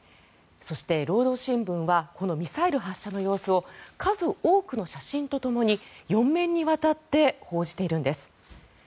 そして、労働新聞はこのミサイル発射の様子を数多くの写真とともに４面にわたって報じているんです。